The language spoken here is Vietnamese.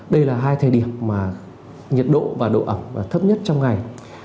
đây là hai thời điểm mà nhiệt độ và độ ẩm thấp nhất trong ngày